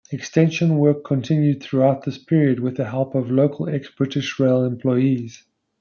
Extension work continued throughout this period with the help of local ex-British Rail employees.